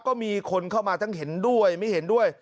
ก็มีคนเข้ามาทั้งเห็นด้วยไม่เห็นด้วย